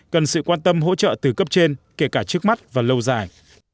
cần sự quan tâm hỗ trợ từ cấp trên kể cả trước mắt và lâu dài